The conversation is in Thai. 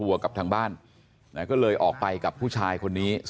แล้วก็ยัดลงถังสีฟ้าขนาด๒๐๐ลิตร